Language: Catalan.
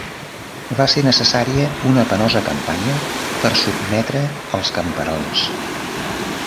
Va ser necessària una penosa campanya per sotmetre els camperols.